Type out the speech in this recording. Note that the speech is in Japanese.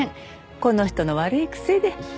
この人の悪い癖で。